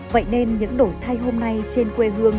vậy nên những đổi thay hôm nay trên quê hương